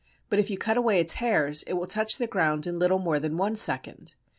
But if you cut away its hairs, it will touch the ground in a little more than one second.